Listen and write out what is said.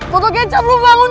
koto kecap lu bangun